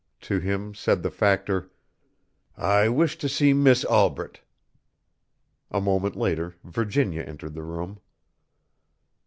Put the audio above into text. To him said the Factor: "I wish to see Miss Albret." A moment later Virginia entered the room.